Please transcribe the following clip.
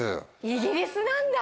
イギリスなんだ！